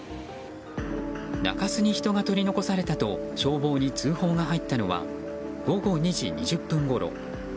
中州に人が取り残されたと消防に通報が入ったのは午後２時２０分ごろ。